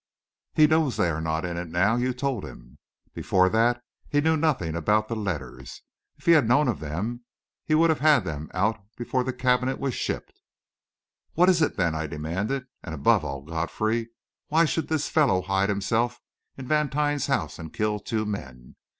"He knows they are not in it now you told him. Before that, he knew nothing about the letters. If he had known of them, he would have had them out before the cabinet was shipped." "What is it, then?" I demanded. "And, above all, Godfrey, why should this fellow hide himself in Vantine's house and kill two men?